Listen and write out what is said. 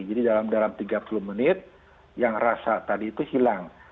dalam tiga puluh menit yang rasa tadi itu hilang